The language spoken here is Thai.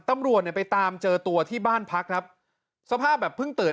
ตำรวจเนี่ยไปตามเจอตัวที่บ้านพักครับสภาพแบบเพิ่งตื่น